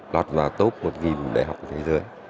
lọt vào top một đại học thế giới